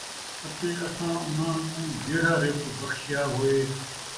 اَتے اَساں اُنھاں کوں جِہڑا رِزق بخشیا ہوئے